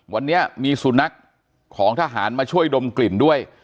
วันนี้มีสุนัขของทหารมาช่วยดมกลิ่นด้วย